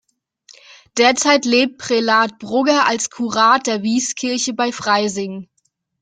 Derzeit lebt Prälat Brugger als Kurat der Wieskirche bei Freising.